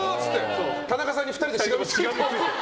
田中さんに２人でしがみつきました。